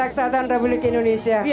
dan negara kesatuan republik indonesia